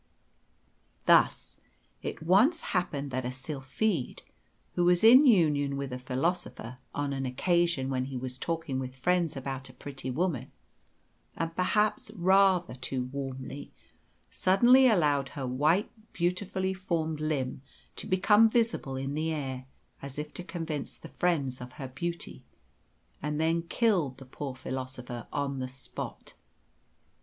Thus, it once happened that a sylphide, who was in union with a philosopher, on an occasion when he was talking with friends about a pretty woman and perhaps rather too warmly suddenly allowed her white beautifully formed limb to become visible in the air, as if to convince the friends of her beauty, and then killed the poor philosopher on the spot.